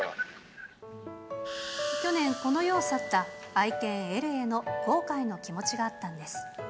去年、この世を去った愛犬、エルへの後悔の気持ちがあったんです。